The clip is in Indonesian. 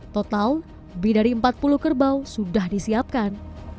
total lebih dari empat puluh kerbau sudah disiapkan